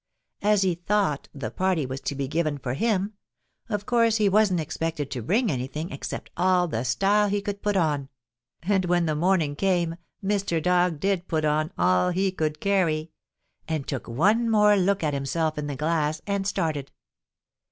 As he thought the party was to be given for him, of course he wasn't expected to bring anything except all the style he could put on, and when the morning came Mr. Dog did put on all he could carry, and took one more look at himself in the glass and started.